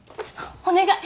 お願い。